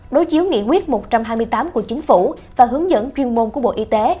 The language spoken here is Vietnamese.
đối chiếu nghị quyết một trăm hai mươi tám của chính phủ và hướng dẫn chuyên môn của bộ y tế